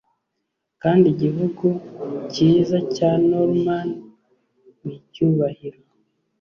kandi igihugu cyiza cya norman nicyubahiro